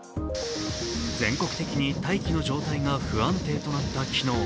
全国的に大気の状態が不安定となった昨日。